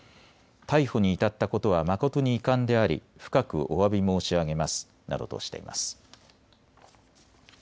逮捕に至ったことは誠に遺憾であり深くおわび申し上げますなどとしています。